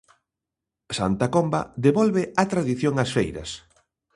Santa Comba devolve á tradición ás feiras.